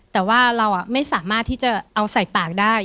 แต่ว่าเราไม่สามารถที่จะเอาใส่ปากได้